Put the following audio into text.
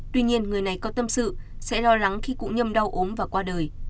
tuy nhiên người này có tâm sự sẽ lo lắng khi cụ nhâm đau ốm và qua đời